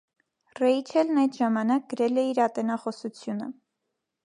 Ռեյչելն այդ ժամանակ գրել է իր ատենախոսությունը։